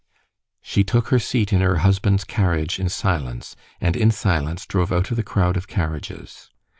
She took her seat in her husband's carriage in silence, and in silence drove out of the crowd of carriages.